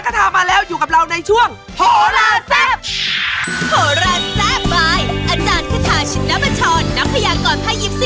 คุณต้อนรับนะคะอาจารย์คาถาชินับชร